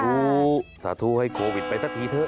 สาธุให้โควิดไปสักทีเถอะ